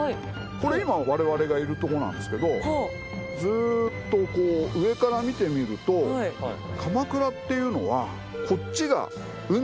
これ今われわれがいるとこなんですけどずーっと上から見てみると鎌倉っていうのはこっちが海。